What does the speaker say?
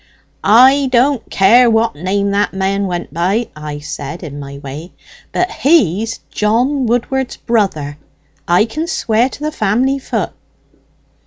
'I don't care what name that man went by,' I said, in my way, 'but he's John Woodward's brother; I can swear to the family voot.'